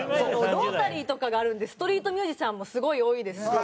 ロータリーとかがあるんでストリートミュージシャンもすごい多いですし。